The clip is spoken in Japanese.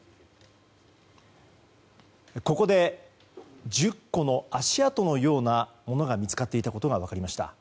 ここで１０個の足跡のようなものが見つかっていたことが分かりました。